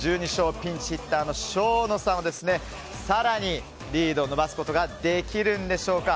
ピンチヒッターの生野さんは更にリードを伸ばすことができるんでしょうか。